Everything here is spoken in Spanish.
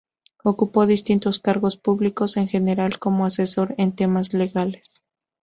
Ocupó distintos cargos públicos, en general como asesor en temas legales.